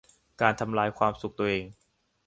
การทำลายความสุขตัวเอง